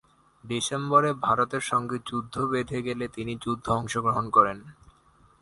ডিসেম্বরে ভারতের সঙ্গে যুদ্ধ বেঁধে গেলে তিনি যুদ্ধে অংশগ্রহণ করেন।